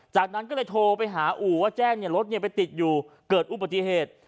จากนั้นก็เลยโทรไปหาอู่ว่าแจ้งรถไปติดอยู่เกิดอุบัติเหตุ